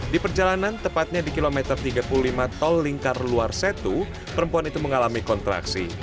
di perjalanan tepatnya di kilometer tiga puluh lima tol lingkar luar setu perempuan itu mengalami kontraksi